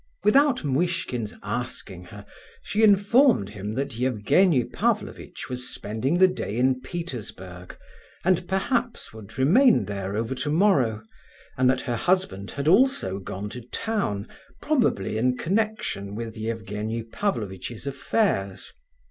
Without Muishkin's asking her, she informed him that Evgenie Pavlovitch was spending the day in Petersburg, and perhaps would remain there over tomorrow; and that her husband had also gone to town, probably in connection with Evgenie Pavlovitch's affairs.